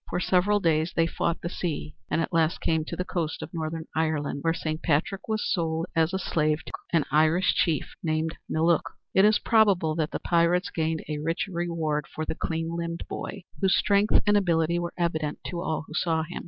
For several days they fought the sea and at last came to the coast of northern Ireland, where Saint Patrick was sold as a slave to an Irish chief named Miliuc. It is probable that the pirates gained a rich reward for the clean limbed boy, whose strength and ability were evident to all who saw him.